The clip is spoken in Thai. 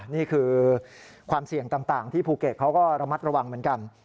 นี่คือความเสี่ยงต่างที่ภูเก็ตเขาก็ระมัดระวังเหมือนกัน